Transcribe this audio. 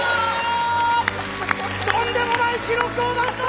とんでもない記録を出した！